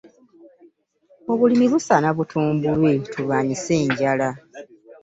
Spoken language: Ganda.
Obulimi busaana butumbulwe tulwanyise enjala.